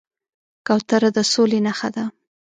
کوتره د سولې نښه ده.